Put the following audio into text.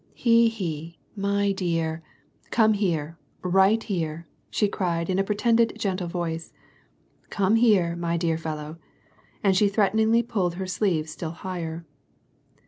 " He ! h^ ! my dear ! come here, right here !" she cried in a pretendedly gentle voice. "Come here, my dear fellow." And she threateningly pulled her sleeve still higher.